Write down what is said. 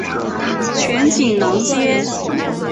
全景廊街。